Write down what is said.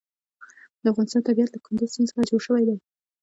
د افغانستان طبیعت له کندز سیند څخه جوړ شوی دی.